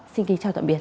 xin kính chào tạm biệt